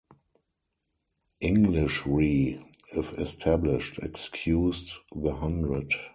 Englishry, if established, excused the hundred.